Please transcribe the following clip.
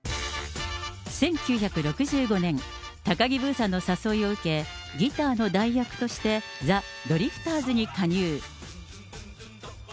１９６５年、高木ブーさんの誘いを受け、ギターの代役としてザ・ドリフターズに加入。